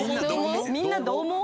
「みんなどう思う？」。